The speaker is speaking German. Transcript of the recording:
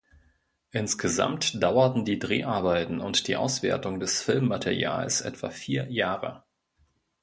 Insgesamt dauerten die Dreharbeiten und die Auswertung des Filmmaterials etwa vier Jahre.